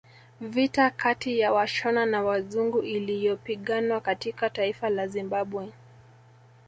Vita kati ya Washona na wazungu iliyopiganwa katika taifa la Zimbabwe